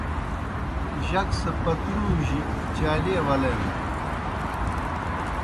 جک سہ پَترُوجیْ چالیئے ولینَن۔